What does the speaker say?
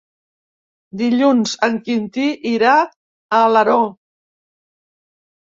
Dilluns en Quintí irà a Alaró.